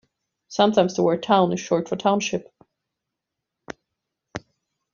Sometimes, the word "town" is short for "township".